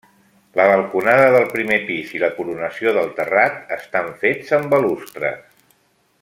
La balconada del primer pis i la coronació del terrat estan fets amb balustres.